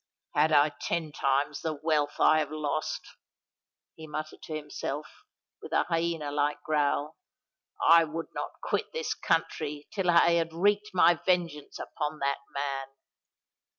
"Had I ten times the wealth I have lost," he muttered to himself, with a hyena like growl, "I would not quit this country till I had wreaked my vengeance upon that man!